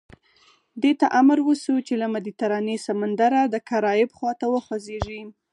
دې ته امر وشو چې له مدیترانې سمندره د کارائیب خوا ته وخوځېږي.